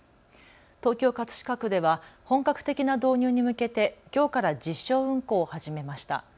東京葛飾区では本格的な導入に向けてきょうから実証運行を始めました。